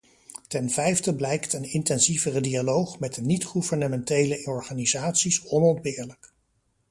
Ten vijfde blijkt een intensievere dialoog met de niet-gouvernementele organisaties onontbeerlijk.